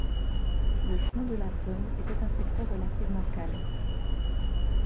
Le front de la Somme était un secteur relativement calme.